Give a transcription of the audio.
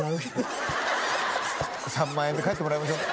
３万円で帰ってもらいましょう。